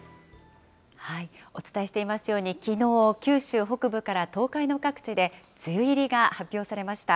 お伝えしていますように、きのう、九州北部から東海の各地で梅雨入りが発表されました。